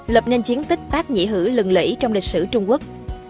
lập nên chiến tích tác nhị hữu lừng lẫy trong lịch sử trung quốc